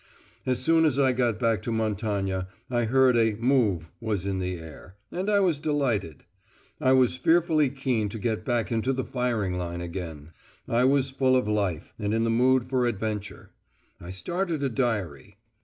As soon as I got back to Montagne I heard a "move" was in the air, and I was delighted. I was fearfully keen to get back into the firing line again. I was full of life, and in the mood for adventure. I started a diary.